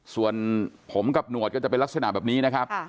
ส่วนผมกับหนวดก็จะเป็นลักษณะแบบนี้นะครับ